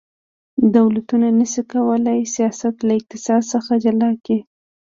دولتونه نشي کولی سیاست له اقتصاد څخه جلا کړي